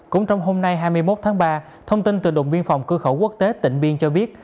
cũng trong hôm nay hai mươi một tháng ba thông tin từ đồng biên phòng cư khẩu quốc tế tỉnh biên cho biết